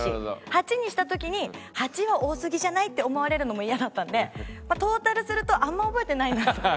８にした時に８は多すぎじゃない？って思われるのもイヤだったのでトータルするとあんま覚えてないなと。